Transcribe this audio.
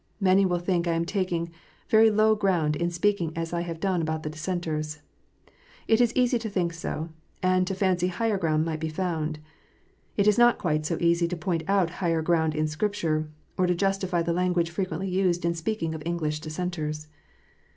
Many will think I am taking very low ground in speaking as I have done about Dissenters. It is easy to think so, and to fancy higher ground might be found. It is not quite so easy to point out higher ground in Scripture, or to justify the language frequently used in speaking of English Dissenters.